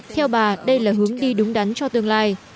theo bà đây là hướng đi đúng đắn cho tương lai